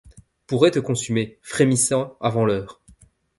Pourraient te consumer, frémissant, avant l’heure.